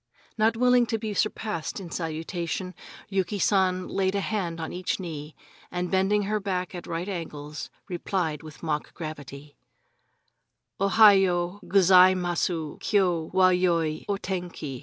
Not willing to be surpassed in salutation, Yuki San laid a hand on each knee, and bending her back at right angles, replied with mock gravity: "Ohayo Gozaimasu Kyo wa yoi O tenki."